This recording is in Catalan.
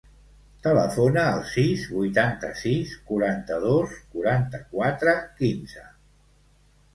Telefona al sis, vuitanta-sis, quaranta-dos, quaranta-quatre, quinze.